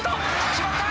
決まった！